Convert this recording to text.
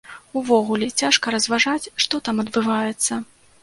Увогуле, цяжка разважаць, што там адбываецца.